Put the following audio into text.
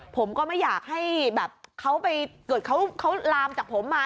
ผมก็ไม่อยากให้เขาลามจากผมมา